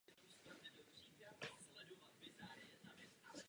Je také státní hymnou Connecticutu.